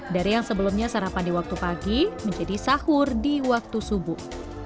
dari yang sebelumnya sarapan di waktu pagi menjadi sahur di waktu subuh